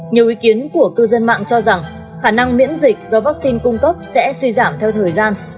nhiều ý kiến của cư dân mạng cho rằng khả năng miễn dịch do vaccine cung cấp sẽ suy giảm theo thời gian